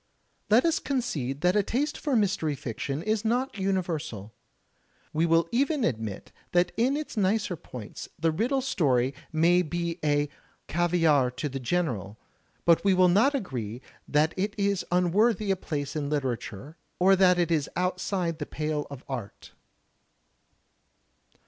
Let us concede that a taste for mystery fiction is not imiversal. We will even admit that in its nicer points the riddle story may be "caviare to the general," but we will not agree that it is unworthy a place in literature or that it is outside the pale of art.